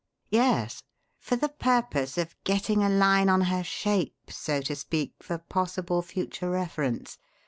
"Yes. For the purpose of 'getting a line on her shape,' so to speak, for possible future reference.